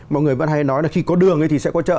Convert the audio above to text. mọi người vẫn hay nói là khi có đường thì sẽ có chợ